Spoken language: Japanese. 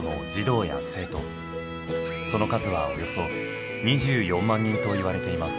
その数はおよそ２４万人といわれています。